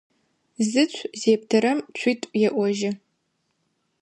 Зыцу зэптырэм цуитӏу еӏожьы.